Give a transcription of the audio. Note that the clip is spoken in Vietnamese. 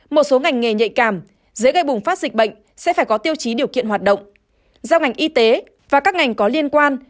một số ngành nghề nhạy cảm dễ gây bùng phát dịch bệnh sẽ phải có tiêu chí điều kiện hoạt động giao ngành y tế và các ngành có liên quan